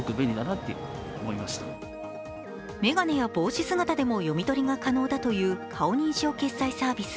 眼鏡や帽子姿でも読み取りが可能だという顔認証決済サービス。